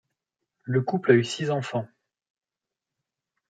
Le couple a eu six enfants.